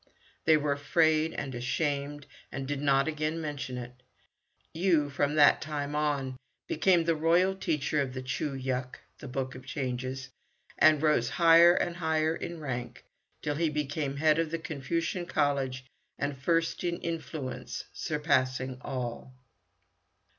They were afraid and ashamed, and did not again mention it. Yoo from that time on became the royal teacher of the Choo yuk (Book of Changes), and rose higher and higher in rank, till he became Head of the Confucian College and first in influence, surpassing all.